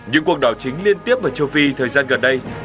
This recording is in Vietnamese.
những cuộc đảo chính liên tiếp ở châu phi thời gian gần đây